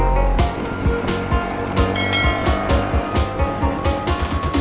geez duluus primus kita ini kenapa berp